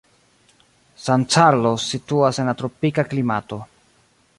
San Carlos situas en la tropika klimato.